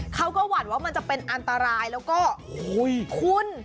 เขาก็หวั่นว่ามันจะเป็นอันตรายแล้วก็คุณ